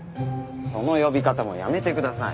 その呼び方もやめてください。